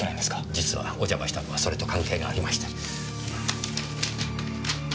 実はお邪魔したのはそれと関係がありまして。